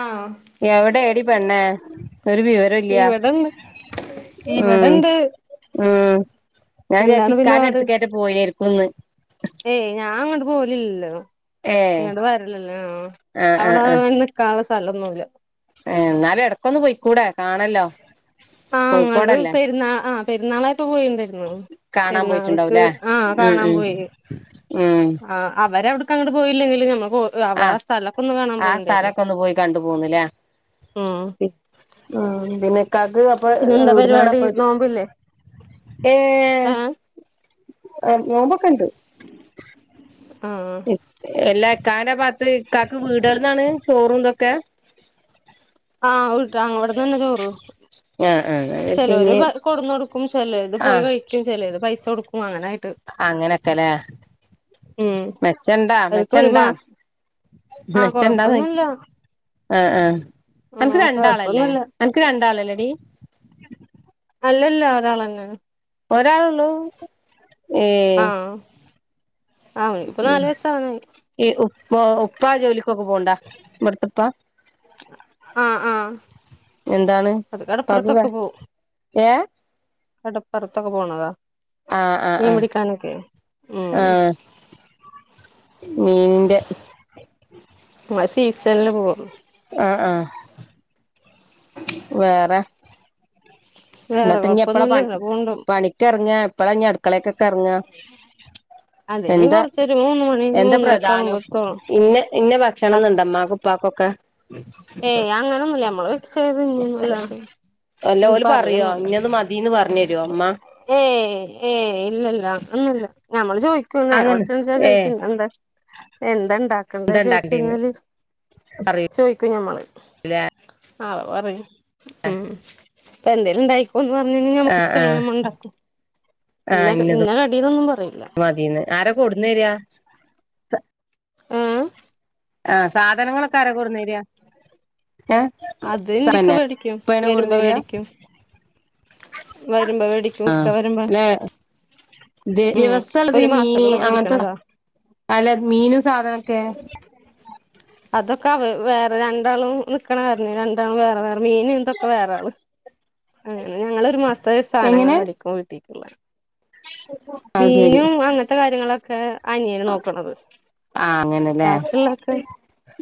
ആഹ് എവിടെ എടി പെണ്ണെ ഒരു വിവരം ഇല്ല ഇവിടെണ്ട് ഉ ഇവിടെണ്ട് ഉ ഞാൻ ജാരിച് എന്താണ് പിന്നെ ഇക്കാന്റെ പാട് അടുത് കന്റെ പോയെകുംൻ മന്ന് ഏയ് ഞാൻ അങ്ങോട്ട് പോലല്ലോ ഏ നിങ്ങോട് വരലല്ലേ ആ് ആ അവിടെ നിക്കാനുള്ള സ്ഥലം ഒന്നുല്ല ഏ എന്നാല് ഇടക്കൊന്ന് പോയിക്കൂടെ? കാണല്ലോ ആഹ ങ്ങ കോഴിക്കോടല്ലേ പെരുന്നാൾ ആ പെരുന്നാളായി ഇട്ട് പോയിണ്ടായിരുന്നു. കാണാൻ പെരുന്നാൾക്ക് പോയിട്ടുണ്ടാവുംല്ലേ ആ ഉം കാണാൻ ഉം പോയി. ഉം ആ അവരവടക്ക് അങ്ങട്ട് പോയില്ലെങ്കിലും നമ്മക്ക് ആഹ ആ സ്ഥലൊക്കെ ഒന്ന് പോയി കണ്ടു പോന്നുല്ലേ. ഉം ആ ഇന്നെലെ ഇക്കാക്ക് അപ്പൊ പിന്നെന്താ എവിടുന്നാണ് പരിപാടി അപ്പൊ ചോ നോമ്പില്ലേ ഏ ഏഹ് ആ നോമ്പക്കെണ്ട്. [unintelligible] എല്ലാ എക്കാന്റെ ഭാത്ത് ഇക്കക്ക് വീടുകളിൽ നിന്നാണ് ചോറുംന്തൊക്കെ? ആഹ ഉട്ട ഇവിടന്ന് തന്നെ ചോറു ആ ആ ഞാൻ വിചാരിച്ച് ചിലര് ഇനി കൊടുന്ന് കൊടുക്കും ചിലത് പോയി ആഹ് കഴിക്കും ചിലത് പൈസ കൊടുക്കും അങ്ങനെ അങ്ങനൊക്കെല്ലേ ഉ മെച്ചണ്ടാ അഒൽക്കെ ഒരു മെച്ചണ്ടാ മാസം ആഹ മെച്ചണ്ടാന്ന് കൊഴപ്പൊന്നുംല്ല. ആഹ് ആഹ് ആഹ അനക്ക് രണ്ടാളല്ലേ കൊഴപ്പൊന്നല്ല. അനക്ക് രണ്ടാളല്ലേടി അല്ലല്ല കളഞ്ഞിണ് ഒരാളൊള്ളു ഏ ആയി ഇപ്പൊ നാല്‌വയസുകാനായി. ഉപ്പോ ഉപ്പാ ജോലിക്കൊക്കെ പോണ്ടാ ഇവിടെത്തെപ്പ ആഹ് ആഹ് എന്താണ് അത് ഉപ്പാക്ക് ക ഏ കടപോർത്തക്കേ പോണത ആഹ് ആഹ് ആഹ് മീൻപുടിക്കാനക്കെ ഉം മീന്‌ന്റെ ഉം സീസൺല്ല് പോകും ആഹ ആഹ വേറെ വേറെ എന്നിട്ട് ഇനി എപ്പഴാ പ കൊഴപ്പൊന്നുല്ല ഇങ്ങനെ പോണ്ട് പണിക്കറങ്ങ എപ്പളാ ഇനി അടുക്കളെക്കൊക്കെ അറങ്ങാ? [unintelligible] അത് ഇനി എന്താ കൊറച്ചൊരു മൂന്ന് മണി എന്താ മൂന്നരൊക്കെ പ്രധാനം ആവുമ്പോത്തോളും ഇന്ന ഇന്ന ഭക്ഷണംന്നുണ്ടമാക്കോ പ്പാക്കൊക്കെ ഏയ് അങ്ങനൊന്നുല്ല നമ്മള് വെച്ചത് തിന്നുംന്നല്ലാ അല്ല ഒരു ഓല് പ പറയോ അങ്ങനെന്നുല്ല ഇന്നത് മതീന്ന് പറഞ്ഞരോ ഇമ്മ ഏ ഏ ഏ ഇല്ലല്ല ഒന്നുമല്ല. ഞമ്മള് ചോദിക്കും നേര അങ്ങനെ വെളത്തിച്ചാ ഏ ചോദിക്കും ഇന്നെന്ത എന്തണ്ട ഉണ്ടാക്കണ്ട എന്താ ഇണ്ടാക്കണ്ടേന്ന് ചോദിച്ചഴിഞ്ഞാല് പറയൂലേ ചോ മ്മള് ആ പറയും ഉംഇപ്പ എന്തേലും ഉണ്ടായി ഒന്ന് പറഞ്ഞ കഴിഞ്ഞൽ നമുക്ക് ഇഷ്ടല്ല് നമ്മ ഉണ്ടാക്കും. ആഹ ഇന്നത്‌ മതീന്ന് ആരാ കൊടന്നരാ? ആ ഏ ആഹ സാധനങ്ങളൊക്കെ ആര കൊടുന്നരിയാ അത് എന്റിക്ക വേടിക്കും വരുമ്പോ കൊടുന്നേര വേടിക്കും. വരുമ്പോ വേടിക്കും ഇക്ക വരുമ്പോ ഉം ദിവസംള്ളത് ഒരു മീൻ മാസത്തേക്കുള്ള അങ്ങനത്തെ വേടിക്കണതാ അല്ല മീനും സാധനൊക്കെ അതൊക്കെ വേറെ രണ്ടാളും നിക്കണ റഞ്ഞ രണ്ടാളും വേറെ വേറെ മീൻ ഇതൊക്കെ വേറണ്. അങ്ങനെ ഞങ്ങൊള് ഒരു മാസത്തെ സാധനങ്ങൾ എങ്ങനെ മേടിക്കും വീട്ടിക്ക് അല്ല അത് ശരി മീനും അങ്ങനത്തെ കാര്യങ്ങളൊക്കെ അനിയനെ നോക്കണത്. ആ അങ്ങനെല്ലേ ബാക്കിയുള്ളൊക്കെ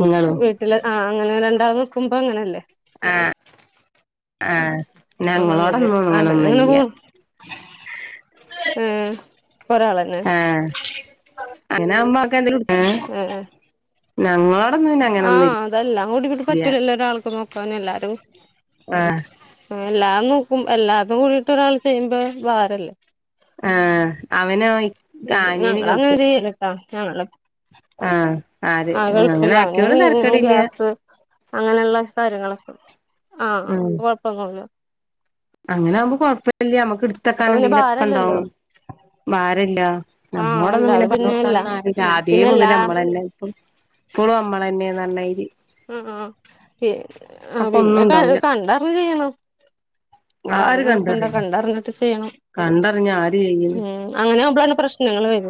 നിങ്ങളും വീട്ടില് ആ അങ്ങനെ രണ്ടാ നിക്കുമ്പോ അങ്ങനെല്ലേ ആ ആഹ് ആ അങ്ങനെ ഞങ്ങളോടൊന്നും അങ്ങനെ അങ്ങനെ ഇങ്ങനൊന്നുംല്ല. പോണ് ഏ ഒരാളന്നെ അങ്ങനാവുമ്പോ അക്കെന്തേലും ഇട് ഞങ്ങൾ ആഹ് അതെല്ലാം കൂടിങ്ട്ട് പറ്റൂലല്ലോ ഒരാൾക്ക് നോക്കാന് എല്ലാരും ആഹ് എല്ലാവും നോക്കും എല്ലാതും കൂടിട്ട് ഒരാൾ ചെയ്യുമ്പോ ഭാരല്ലേ ആഹ് അവനായ് ഇത് ഞങ്ങളങ്ങനെ ചെയ്യല്ട്ടാ ഞങ്ങള ആഹ് ആര് ആ അങ്ങനെ ഗൾഫിലാ അവന് ആക്കിയോണ്ട് മീനും തരക്കേടില്ല ഗ്യാസ് അങ്ങനെള്ള കാര്യങ്ങളൊക്കെ ആഹ് ഉം പ്പകൊഴപ്പന്നുല്ല അങ്ങനെ ആവുമ്പോ കൊഴപ്പല്ല്യ മ്മക്ക് അപ്പൊ ഇടുത്തക്കാൻ പിന്നെ എന്തെങ്കിലും ഒക്കെ ഭാരല്ലല്ലോ ഉണ്ടാവും ഭാരല്ല ആഹ് അല്ല നമ്മളോടൊന്നും അത് പിന്നെ പിന്നെല്ല പറഞൊടുക്കാനൊന്നും ആരുല്ല ആദ്യേ മുതൽ പിന്നെല്ലാ നമ്മളെല്ലാം ഇപ്പം ഇപ്പളും അമ്മളന്നെ നറഞ്ഞായിര് അ ആ പി ആ അപ്പൊ ഒന്നും പിന്നെ ക ഉണ്ടാവൂല കണ്ടറിഞ്ഞ ചെയ്യണം ആര് പറഞ്ഞൊടുക്കണ്ട കണ്ടറിയും കണ്ടറിഞ്ഞിട്ട് ചെയ്യണം കണ്ടറിഞ്ഞ ആര് ചെയ്യും ഉം അങ്ങനെ ആവുമ്പോ ളാ പ്രശ്നങ്ങൾ വര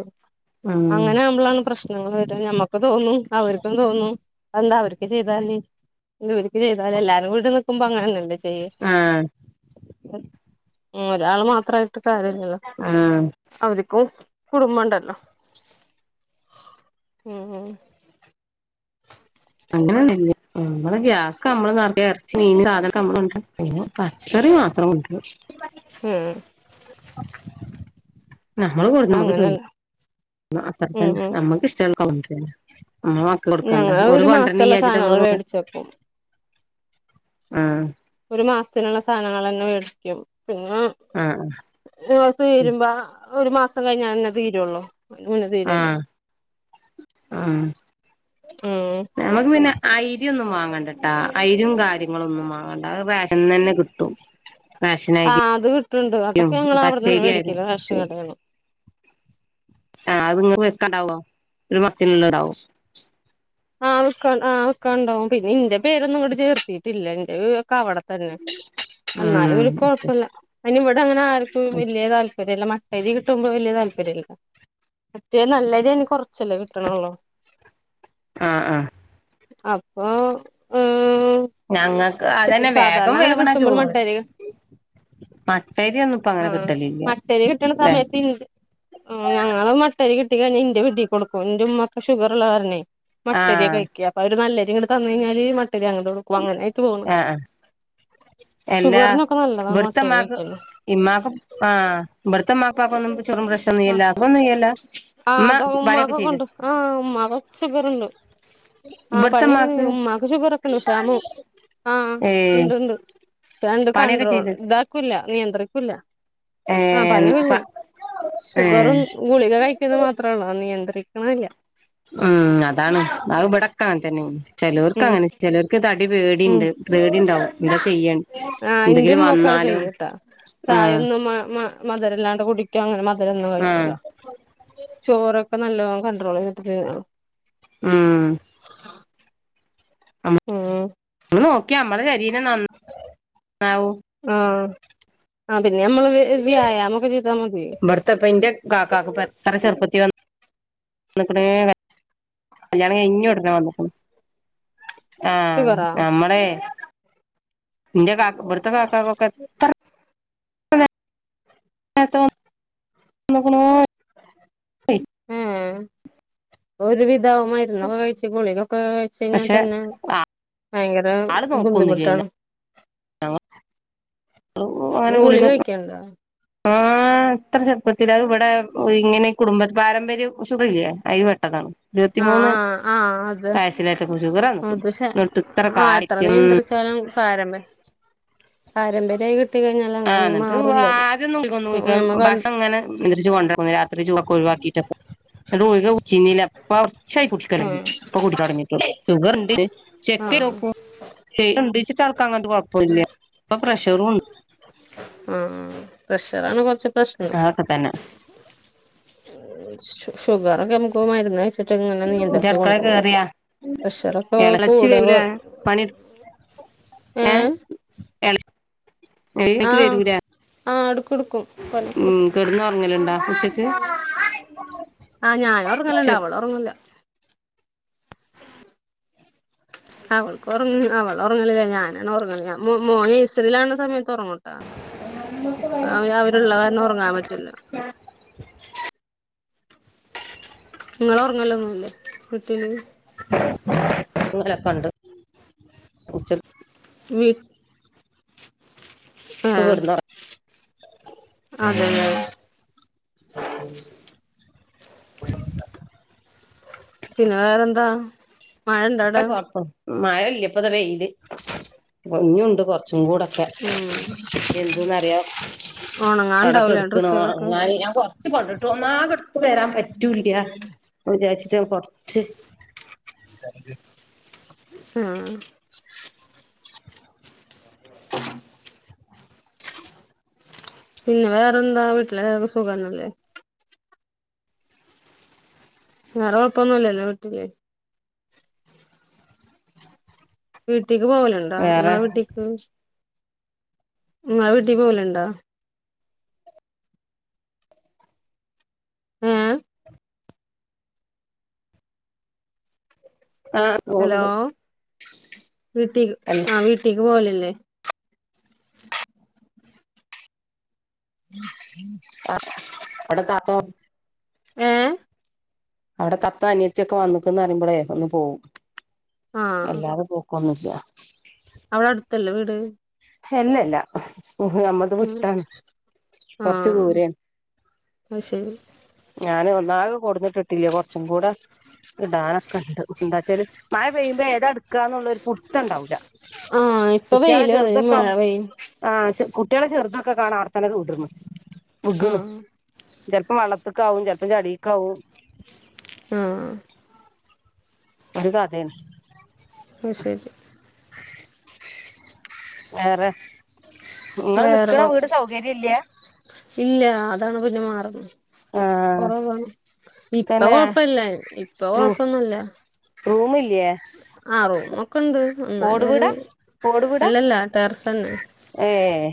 ഉം അങ്ങനെആവുമ്പളാണ് പ്രശ്നങ്ങൾ വര ഞമ്മക്ക് ക്കും തോന്നും അവർക്കും തോന്നും എന്താ അവർക്ക് ചെയ്താല് ന്താവിരിക്ക് ചെയ്താല എല്ലാരും കൂടിനിക്കുമ്പോ അങ്ങനന്നല്ലേ ആഹ് ഉം ഒരാള് മാത്രായിട്ട് കാര്യല്ലല്ലോ ആഹ് അവരിക്കും കുടുംബണ്ടല്ലോ ഉം ഹും അങ്ങനെ നമ്മള് ഗ്യാസ് കമ്മള്റ ഇറച്ചി മീന് സാധനൊക്കെമ്മളുണ്ട് [unintelligible] പിന്നെ പച്ചക്കറി മാത്രം കൊണ്ടരും ഹും നമ്മള് കൊടുന്ന നമ്മക്ക് തിന്ന ഉം അത്രതന്നെ ഉം നമ്മക്ക് ഇഷ്ടള്ളതൊക്കെ കോണ്ട്രന്നെ നമ്മള മക്കക്കൊടുക്കണ്ടേ ഞങ്ങള് ഒരു മാസത്തുള്ള കൊണ്ട്ര്നില്ലാച്ചട്ട് സാധനങ്ങൾ നമ്മള് മേടിച്ച് വെക്കും ആഹ് ഒരു മാസത്തിനുള്ള സാധനങ്ങളന്നെ മേടിക്കും പിന്നെ ആഹ് ഈ തീരുമ്പ ഒരു മാസം കഴിഞ്ഞാലന്നെ തീരൊള്ളൂ അയിന്റെമുന്നേ തീരില്ല ആ ഉം ഞമ്മക്ക് പിന്നെ ഐര്യോന്നും വാങ്ങ വേണ്ടട്ടാ ഐരും കാര്യങ്ങളൊന്നും വങ്ങണ്ട അത് റേഷൻന്നന്നെ കിട്ടും ആ റാഷനരി അത് കിട്ടുന്നുണ്ട് യും അതൊക്കെ ഞങ്ങള് അവിടന്നന്നെ പച്ചരി മേടിക്കലാ റേഷൻ ആയിച്ചും കടേന്ന് ആഹ് അത്ങ്ങങ് വെക്കാണ്ടാവോ ഒരു മസത്തിന്ള്ളത്ണ്ടാവോ ആഹ് വെക്കാ ആ് വെക്കാണ്ടാവും പിന്നെ ന്റെ പേരൊന്നും ഇങ്ങട് ചേർത്തിട്ടില്ല എന്റെത് ഒക്കെ അവട തന്നെ ഉം എന്നാലുംഓല്ക്ക് കുഴപ്പല്ല അതിനിവിടെങ്ങനെ ആർക്കും വല്യ താല്പ ര്യല്ല മട്ട അരി കിട്ടുമ്പോ വല്യ താല്പര്യല്ല മറ്റേ നല്ലരിയാണ് കൊറച്ചല്ലേ കിട്ടണള്ളോ ആ ആ അപ്പോ... ഏ ഞങ്ങക്ക് അതന്നെ വേഗം അങ്ങനെ വേവ്ണ കിട്ടുമ്പോൾ ചോറ് മട്ടേരി മട്ടരി ഒന്നും ഇപ്പ ആ അങ്ങനെ കിട്ടലില്ല മട്ടരി കിട്ടണ ല്ലേ സമയത്ത്ണ്ട് ആ ഞങ്ങള് മ ട്ടരി കിട്ടികഴിഞ്ഞ ഇന്റെ വീട്ടി കൊടുക്കും ന്റെ ഉമ്മൊക്കെ ഷുഗറ്ള്ള കാരണയ് ആഹ് മട്ടരിയകഴിക്ക അപ്പൊ അവര് നല്ലരി ഇങ്ങട്ട് തന്ന കഴിഞ്ഞാല് മട്ടരി അങ്ങട്ട് കൊടുക്കും അങ്ങനെആയിട്ട് പോണു ആഹ് ആഹ് എല്ലാ മട്ടരി ഇവട്ത്തമ്മാക്ക് കഴിക്കുന്നത് ഇമ്മാക്ക് ആഹ് ഇബ ഇവടത്തമ്മകുപ്പാക്കും ചൊഗറും പ്രശറും ഒന്നുല്ലലോ അഒന്നും ഇല്ലലോ ആഹ് അതൊ ഉമ്മാകൊക്ക ഉണ്ട് ആഹ ഉമ്മാക്ക ഷുഗർണ്ട് ആഹ് പണിയൊക്കെ ഇവിടുത്തെമ്മാക്ക് കഴിഞ്ഞു മാക്ക് ഷുഗർ ഒക്കെയുണ്ട് ഷാമു ആഹ് ഏഹ് ണ്ട് ണ്ട് രണ്ട് പണിയൊക്കെ കൺണ്ട്രോൾ ചെയ്ത് ഇതാക്കൂല്ല നിയന്ത്രിക്കൂല്ല ആ ഏഹ് പണിയൊക്കെ കഴിഞ്ഞ് പ ഏഹ് ശുഗറും ഗുളിക കഴി മാത്രാണ് നിയന്ത്രിക്ക്ണ്ല്ല ഉം അതാണ് അത് ഇവിടൊക്കെ അങ്ങനെ തന്നെയാണ് ചെലോർക്ക് ഉം അങ്ങനെ ചിലർക്ക് ഇതടി ഉം പേടിണ്ട് പേടിണ്ടാകും ആ ൻ്റെമ്മൊക്കെ അത് ചെയ്യുട്ടാ ആഹ് ചായൊന്ന് മാ മാ മധുരല്ലാണ്ട് കുടിക്കാ അങ്ങനെ മധുരൊന്നും ആഹ് കഴിക്കൂല ചോറൊ അപ്പൊ നല്ലോണം കൺട്രോൾ [unintelligible] ഉം [inaudible] ഉം പിന്നെ നൻ ന്നാവും ആ ആ പിന്നെ നമ്മള് വ്യായാമൊക്കെ ചെയ്താ മതി ഇവിടുത്തെപ്പ ഇന്റെ കാക്കക്ക് എത്ര ചെറുപ്പത്തി വന്ന് ന്ന്ക്ക്ണ് കല്യാണം കയ്ഞ്ഞ ഉടനെ വന്ന്ക്ക്ണ് ആഹ് ഷുഗറാ നമ്മള് ഇന്റെ കാക്കാ ഇവട്ത്തെ കാക്കാക്കൊക്കെ എത്ര [unintelligible] വന്ന്ക്ക്ണോയ് ഹേ ഒരു വി [unintelligible] മരുന്നൊക്കെ കഴിച്ചു ഗുളികളൊക്കെ കഴിച്ച് കഴിഞ്ഞാൽ പക്ഷെ തന്നെ ഭയങ്കര ആള് നോക്കൊന്നുല്ലേനു ബുദ്ധിമുട്ടാണ് [unintelligible] അങ്ങനെ ഗുളിക ആഹ് അഹ് ത്ര ചെറുപ്പത്തിൽ അഹ് വടെ ഇങ്ങനെ കുടുംബ പാരമ്പര്യസുഖറില്ലേ അയില് പെട്ടതാണ് ഇരുവത്തി മൂന്ന് ആഹ് ആഹ് അത് തൈസിലൊക്കെ പൊ ഷുഗറന്ന്ക്ക്‌ അത് ശ ന്നട്ട് ത്രെ ആഹ് കാല് എത്ര ട്ട്യം [inaudible] നിയന്ത്രിച്ചാലും പാരമ്പ പാരമ്പര്യായി കിട്ട് ആ ഇന്നട്ട് ആദ്യം നമ്മ ക [unintelligible] ഭക്ഷണം ഇങ്ങനെ നിയന്ത്രിച്ചു കൊണ്ടു ന്നു രാത് ത്രി ജുവൊക്കെ ഒഴിവാക്കീട്ടൊക്കെ ന്നട്ട് ഗുളിക കുടിചിരുന്നില്ല ഇപ്പം കൊറച്ചായി ഇപ്പം ആഹ് കുടിക്കല്തൊടങ്ങീടൊള്ളു ഷുഗർ ണ്ട് ആഹ് [unintelligible] ഉണ്ടീച്ചിട്ട ആൾക്ക് അങ്ങൻതെ കുയ്പ്പ ഇല്ല ഇപ്പൊ പ്രഷറും ഉണ്ട് ആ ആ പ്രഷറാണ് കുറച്ച് ആഒക്കെ താന്നെ ഷുഗറൊക്കെ നമക്ക് മരുന്ന് കഴിച്ചിട്ട് ഇങ്ങനെ ഇജ്ജ് നിയന്ത്രിച്ച് അടുക്കളെ കൊണ്ടുപോകും കേറിയാ പ്രഷറൊക്കെ എളച്ചി കൂടെ വരൂലേ പണിട് ഏ ഏഹ് എള [unintelligible] ആഹ് വരൂല ആഹ് എടുക്കുടുക്കും പണിയൊക്കെടുക്കും കെടന്നൊറങ്ങലുണ്ടാ ഉച്ചക്ക് ആഹ് ഞാന ഉറങ്ങല്ണ്ട് ഉച്ചക്ക് അവള് ഉറങ്ങൂല അവൾക്ക് ഉറങ്ങ അവൾ അവള് ഉറങ്ങലില്ല ഞാനാണ് ഉറങ്ങല് മോന് നഴ്സറിലാണ സമയത്ത് ഉറങ്ങൂട്ടാ ഇപ്പംഅവി അവരുള്ള കാരണം ഉറങ്ങാൻ പറ്റൂല ഇങ്ങൾ ഉറങ്ങല്ലൊന്നും ല്ലേ [unintelligible] ഇന്ന് ഓലൊക്കെ ഉണ്ട് ഉച്ചക്ക് മി ഹേ അതെലേ [inaudible] പിന്നെ വേറെന്താ മഴണ്ടോ അവിടെ മഴയില്ല ഇപ്പതാ വെയില് മഞ്ഞുണ്ട് കൊറച്ചും കൂടെ- ഉം എന്ത്ന്നറിയോ ഉണങ്ങാണ്ടാവൂലേ കണക്കടുക്കണു ഡ്രസ്സുകളൊക്കെ അങ്ങനെ ഞാൻ കൊറച്ച് കൊണ്ടിട്ടു ഒന്നകെ എടുത്ത് വരാൻ പറ്റൂല്ല്യ വിജരിച്ചിട്ടാ കൊറച് ഹാ [inaudible] പിന്നെ വേറെ ന്താ വീട്ടിലെല്ലാര്ക്കും സുഖന്നല്ലേ വേറെ കൊഴപ്പൊന്നുല്ലല്ലോ വീട്ടില് വീട്ടിക്ക് പോവലുണ്ടാ വേറെ ഇങ്ങളെ വീട്ടിക്ക് ഇങ്ങളെവീട്ടി പോവല്ണ്ടാ ഏഹ് ആ ഹലോ ഉണ്ട് വീട്ടിക് ആ വീട്ടിക്ക് പോവലില്ലേ ആഹ് അവടെ താത്ത ഏഹ് അവടെ തത്ത അനിയത്തിയൊക്കെ വന്ന്ക്ക്ന്ന് പറയുമ്പളേ ഒന്ന് പോവും. എല്ലാതെ പോക്കൊന്നുല്ല്യ. അവടെ അട്ത്തല്ലേ വീട് ഹെല്ലല്ല ഉ ഹും നമ്മളത് ഉം വിട്ടാണ് കൊറച്ച് ദൂരേണ്. ശെരി ഞാന് ഒന്നാകെ കൊടുന്നിട്ടിട്ടില്ലേ കൊറച്ചും കൂടെ ഇടാനൊക്കെ ഇണ്ട് എന്താച്ചാല് മഴ പെയ്യുമ്പോ ഏതാ ഇട്ക്കാനുള്ളൊരു പുട്ത്തണ്ടാവൂല ആഹ് ഇപ്പൊ കുട്ട്യാളെ വെയില് ചെറ്തൊ അതിന് ക്ക മഴ പെയ്യും ആ ചെ കുട്ട്യോളെ ചെറ്തൊക്കെ കാണ ആട്തന്നെ [unintelligible] ആഹ് ചെൽപ്പം വള്ളത്ത്ക്കാവും ചെലപ്പം ചളീക്കാവും. ആഹ് ഒരു കഥേണ് അത് ശരി വേറെ ഇങ്ങള് നിക്ക്ണ വീട് സൗകര്യല്ല്യ. ഇല്ല്യ അതാണ് പിന്നെ മാറുന്ന് ആഹ് കൊറവാണ്. ഇപ്പ തന്നെ കൊഴപ്പല്ല്യ ഇപ്പ കൊഴപ്പൊന്നൂല്യ. റൂമ് ല്ല്യേ ആഹ് റൂമൊക്കെ ഇണ്ട് എന്നാലു ഒരു ഓട് വീടാ അല്ലല്ലാ ടെർസെന്നെ ഏഹ്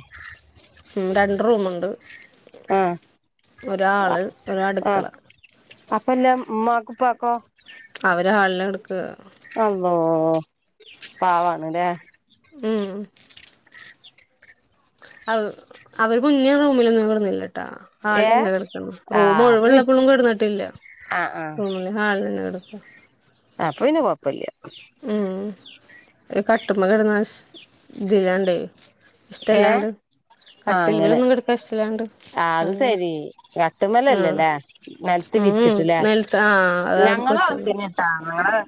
ഉം രണ്ട് റൂമ്ണ്ട് ആഹ് ഒരാള് ഒരട്ക്കള അപ്പ എല്ല ഉമ്മാക്കുപ്പാക്കോ? അവര് ഹാൾലാ കെട്ക്കാ അള്ളോ പാവാണ് ലേ ഉം അഹ് അവര് മുന്നിം റൂമിലൊന്നും കടന്നില്ല ട്ടാ ഏഹ് ഹാൾലെന്നെ കെടക്ക്ന്ന് റൂം ആഹ് അപ്പൊ പി ഒഴിവുള്ളപ്പളും കെടന്നിട്ടില്ല. ആഹ് ആഹ് ഉം ഹാൾ ലെന്നെ കെടക്ക അപ്പൊ പിന്നെ കൊഴപ്പല്ല്യ. ഉം ഈ കട്ട്മ്മെ കെടന്നാ ശ് ഇതില്ലാണ്ടേ ഏഹ് ഇഷ്ട്ടല്ലാണ്ട് ആഹ് അങ്ങനെ ആത് അങ്ങനെ ശരി ആഹ് കട്ട്മ്മലല്ലലേ നെൽത്ത് ഉം വിരിച്ചിട്ട്ലേ നിലത്ത് ആഹ് അത് അവർക്ക് ഞങ്ങളും പറ്റുള്ളൂ അവടത്തന്നെ ട്ടാ ഞങ്ങള്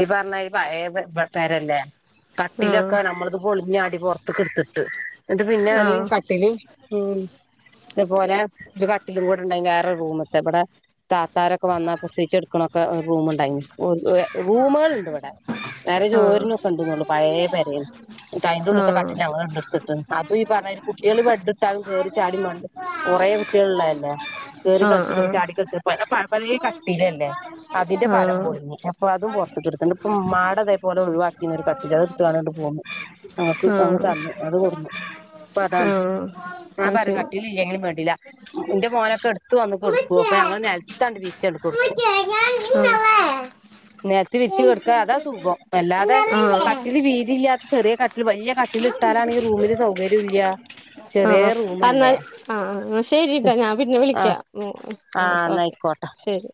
ഈ പറഞ്ഞാ പഴേ പെ പെ പെരല്ലേ ആഹ് കട്ടിലൊക്കെ നമ്മളത് പൊളിഞ്ഞാടി പൊറത്ത്ട്ത്ത്ട്ട് അത് പിന്നെ അരിം കട്ട്ല്ല് ഉം ഇതുപോലെ ഒരു കട്ടിലു കൂടേണ്ടെയിനി വേറൊരു റൂമ്ത്തെ ഇവിടെ താത്താരൊക്കെ വന്നാ പ്രസവിച്ചെട്ക്ക ണൊക്കെ ഒരു റൂമ്ണ്ടൈനി ഒര് ഏ റൂമുകള്ണ്ട് ഇവിടെ പെര ആഹ് ചോര്നൊക്കെണ്ട്ന്നൊള്ളു പഴേ പെരേണ് ഇന്നിട്ട് അയ്ന്റെ ഉള്ള്ത്തെ ആഹ് കട്ടില് ഞങ്ങളാടെ ഇണ്ട് ക്ക്ട്ട് അതും ഈ പറഞ്ഞയിരി കുട്ട്യേള് ബെഡ് ട്ടാലും കേറി ചാടി മണ്ടും കൊറെ കൂട്ട്യേള് ഇള്ളല്ലെ കേറി ആഹ് ആഹ് കളിച്ചിട്ടൊക്കെ ആഹ് ചാടി കളിച്ചെപ്പെ പഴേ കട്ടിലല്ലേ അതിന്റെ ഫലം ആഹ് പൊളിഞ്ഞ് അപ്പൊ അതും പൊറത്തക്ക് ഇട്ത്ത്ണ്ട് ഇപ്പൊ ഇമ്മാ അതേപോലെ ഒഴിവാക്കിനൊരു കട്ടില് അത് ഇട്ത്ത്ങ്ങാണ്ട് ഇങ്ങട്ട്പോന്ന് ഞങ്ങക്ക് ഞങ്ങക്ക് ആഹ് തന്ന് അത് കൊട്ന്നു ഇപ്പൊ അതാണ് ആഹ് ഞാൻ അത് പറിം ശരി കട്ടിലില്ലെങ്കിലും വേണ്ടില്ലാ ഇന്റെ മോനൊക്കെ എട്ത്ത് വന്ന് കെട്ക്കും അപ്പൊ ഞങ്ങൾ നെലത്താണ്ട് വിരിച്ചാട് കൊട്ക്കും ആ നെലത്ത് വിരിച്ച് കെട്ക്ക അതാ സുഖം അല്ലാതെ കട്ടില് വീതില്ലാത്ത ചെറിയ കട്ടില് വല്ല്യാ കട്ടിലിട്ടാലാണെ റൂമില് സൗകര്യൊല്ലാ ആ ന്നാല് ആ ശരിട്ടൊ ഞാന് പിന്നെ വിളിക്ക ആഹ് ഉം ആ ആഹ് ന്നാ ഓക്കെ ആയിക്കോട്ടെ ശരി